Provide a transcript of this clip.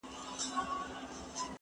زه بايد کتابونه وليکم!!!!